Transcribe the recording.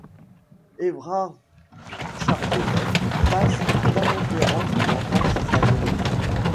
Evrard Charbonnel passe à Clermont-Ferrand son enfance et sa jeunesse.